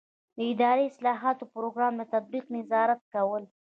د اداري اصلاحاتو د پروګرام له تطبیق نظارت کول.